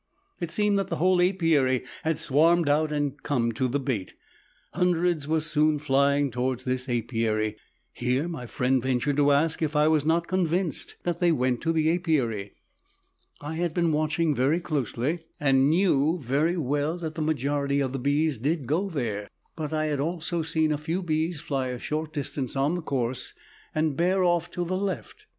It seemed that the whole apiary had swarmed out and come to the bait hundreds were soon flying towards this apiary. Here my friend ventured to ask if I was not convinced that they went to the apiary. I had been watching very close and knew very well that the majority of the bees did go there, but I had also seen a few bees fly a short distance on the course and bear off to the left.